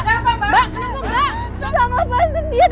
apa yang ada di dalam kandungan bu lady